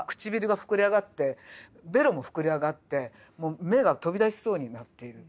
唇が膨れ上がってベロも膨れ上がってもう目が飛び出しそうになっている。